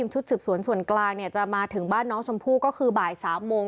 ชุดสืบสวนส่วนกลางจะมาถึงบ้านน้องชมพู่ก็คือบ่าย๓โมง